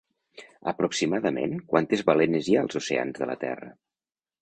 Aproximadament, quantes balenes hi ha als oceans de la Terra?